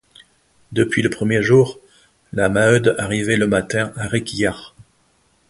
Depuis le premier jour, la Maheude arrivait le matin à Réquillart.